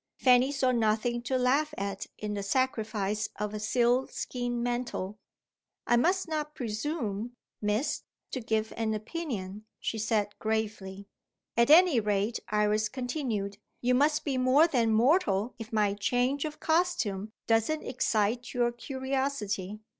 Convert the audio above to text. Fanny saw nothing to laugh at in the sacrifice of a sealskin mantle. "I must not presume, Miss, to give an opinion," she said gravely. "At any rate," Iris continued, "you must be more than mortal if my change of costume doesn't excite your curiosity.